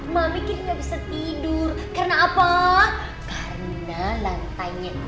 karena apa karena lantainya